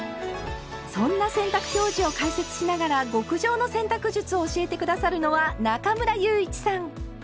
そんな洗濯表示を解説しながら極上の洗濯術を教えて下さるのは中村祐一さん。